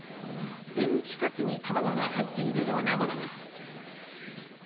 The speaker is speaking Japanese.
メンチカツに卵が入っているようなものです。